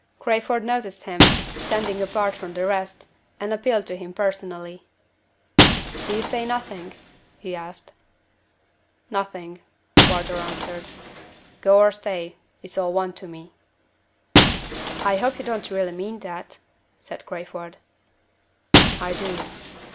Crayford noticed him. standing apart from the rest, and appealed to him personally. "Do you say nothing?" he asked. "Nothing," Wardour answered. "Go or stay, it's all one to me." "I hope you don't really mean that?" said Crayford. "I do."